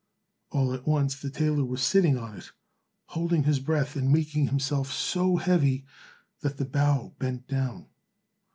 All at once the tailor was sitting on it, holding his breath, and making himself so heavy that the bough bent down.